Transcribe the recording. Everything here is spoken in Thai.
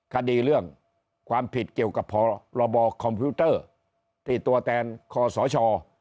คดีเรื่องความผิดเกี่ยวกับพรบคอมพิวเตอร์ที่ตัวแทนคอสช